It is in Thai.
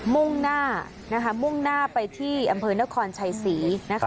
มุ่งหน้ามุ่งหน้าไปที่อำเภอนครชัยศรีนะคะ